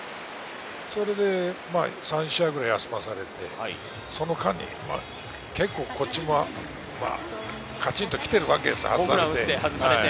それで３試合くらい休まされて、その間、結構こちらもカチンときているわけですよ。